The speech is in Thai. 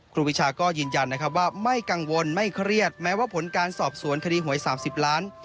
ครูวิชาก็ยืนยันนะครับว่าไม่กังวลไม่เครียดแม้ว่าผลการสอบสวนคดีหวย๓๐ล้าน